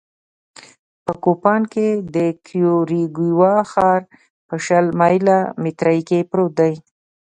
په کوپان کې د کیوریګوا ښار په شل مایله مترۍ کې پروت دی